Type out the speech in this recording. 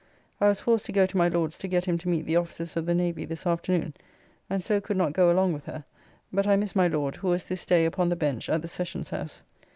I was forced to go to my Lord's to get him to meet the officers of the Navy this afternoon, and so could not go along with her, but I missed my Lord, who was this day upon the bench at the Sessions house.